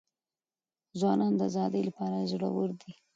ځوانان د ازادۍ لپاره زړه ور دي.